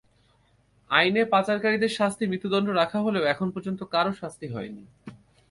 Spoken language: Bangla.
আইনে পাচারকারীদের শাস্তি মৃত্যুদণ্ড রাখা হলেও এখন পর্যন্ত কারও শাস্তি হয়নি।